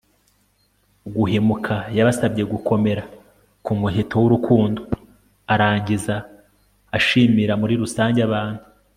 guhemuka. yabasabye gukomera ku muheto w'urukundo, arangiza ashimira muri rusange abantu